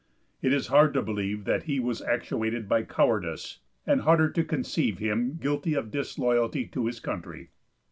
It is hard to believe that he was actuated by cowardice, and harder to conceive him guilty of disloyalty to his country.